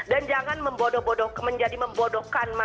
dan jangan menjadi membodok bodokan